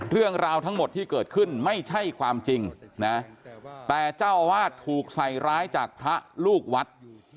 เรื่องราวทั้งหมดที่เกิดขึ้นไม่ใช่ความจริงนะแต่เจ้าอาวาสถูกใส่ร้ายจากพระลูกวัด